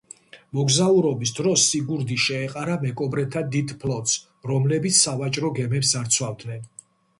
მოგზაურობის დროს სიგურდი შეეყარა მეკობრეთა დიდ ფლოტს, რომლებიც სავაჭრო გემებს ძარცვავდნენ.